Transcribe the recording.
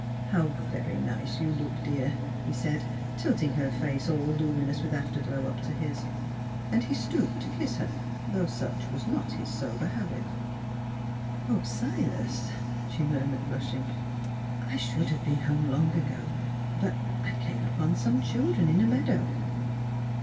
" How very nice you look, dear," he said, tilt ing her face all luminous with afterglow up to his. And he stooped to kiss her, though such was not his sober habit. '* Oh! Silas," she murmured, blushing, " I should have been home long ago; but I — came upon some children in a meadow."